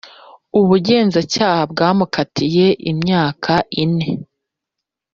ubugenzacyaha bwamukatiye imyaka ine.